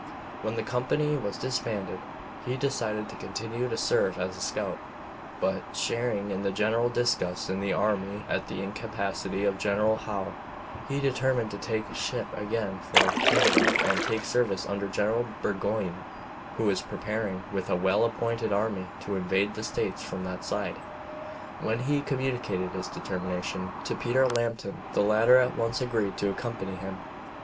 When the company was disbanded he decided to continue to serve as a scout, but, sharing in the general disgust in the army at the incapacity of General Howe, he determined to take ship again for Canada and take service under General Burgoyne, who was preparing with a well appointed army to invade the States from that side. When he communicated his determination to Peter Lambton the latter at once agreed to accompany him.